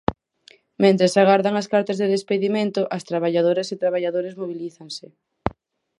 Mentres agardan as cartas de despedimento, as traballadoras e traballadores mobilízanse.